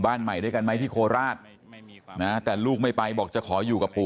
บ้านใหม่ด้วยกันไหมที่โคราชนะแต่ลูกไม่ไปบอกจะขออยู่กับปู่